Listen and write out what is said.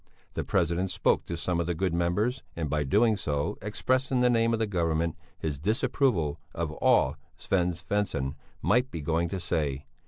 The president spoke to some of the good members and by doing so expressed in the name of the Government his disapproval of all Sven Svensson might be going to say.